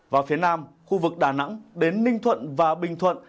và phía nam khu vực đà nẵng đến ninh thuận và bình thuận